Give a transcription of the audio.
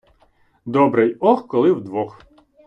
Добре й «ох», коли вдвох.